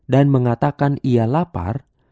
dan mengatakan ia lapar